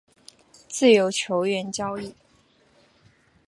自由球员交易